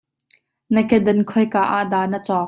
Na kedan khoi ka ahdah na cawk?